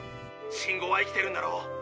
信号は生きてるんだろ。